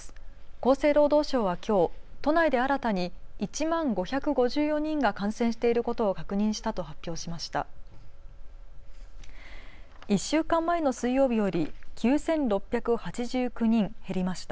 厚生労働省はきょう都内で新たに１万５５４人が感染していることを確認したと発表しました。